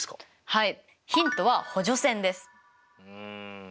はい。